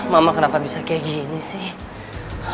mama kenapa bisa kayak gini sih